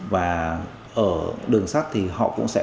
và ở đường sắt thì họ cũng sẽ